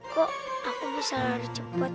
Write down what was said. kok aku bisa lari cepet